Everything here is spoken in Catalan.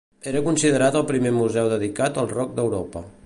Era considerat el primer museu dedicat al rock d'Europa.